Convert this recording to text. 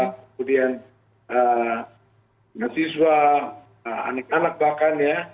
kemudian mahasiswa anak anak bahkan ya